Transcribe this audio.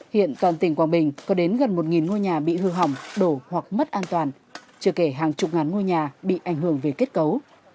hiện toàn tỉnh quảng bình có đến gần một ngôi nhà bị hư hỏng đổ hoặc mất an toàn chưa kể hàng chục ngàn ngôi nhà bị ảnh hưởng về kết cấu